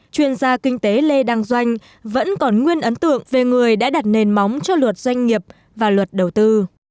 chuyên gia kinh tế lê đăng doanh vẫn còn nguyên ấn tượng về người đã đặt nền móng cho luật doanh nghiệp và luật đầu tư